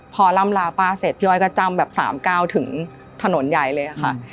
พอล่ำลาป้าเสร็จพี่อ้อยก็จ้ำแบบ๓๙ถึงถนนใหญ่เลยค่ะ